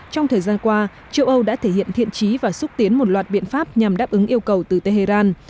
trong thời gian qua châu âu đã thể hiện thiện trí và xúc tiến một loạt biện pháp nhằm đáp ứng yêu cầu từ tehran